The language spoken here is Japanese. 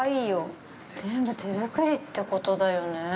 ◆全部手作りってことだよね。